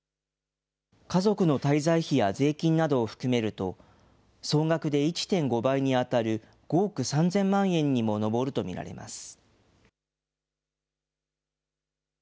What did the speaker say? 家族の滞在費や税金などを含めると、総額で１．５倍に当たる５億３０００万円にも上ると見られます。